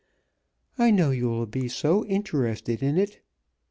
I know you will be so interested in it.